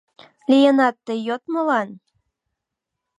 — Лийынат тый йот молан?